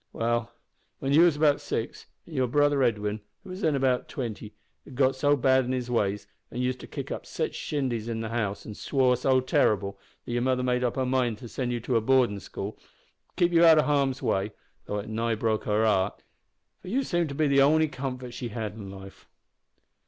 Well, when you was about six, your brother Edwin, who was then about twenty, had got so bad in his ways, an' used to kick up sitch shindies in the house, an' swore so terrible, that your mother made up her mind to send you to a boardin' school, to keep you out o' harm's way, though it nigh broke her heart; for you seemed to be the only comfort she had in life.